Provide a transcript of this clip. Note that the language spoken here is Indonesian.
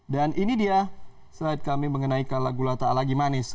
dan ini dia slide kami mengenai kala gula tak lagi manis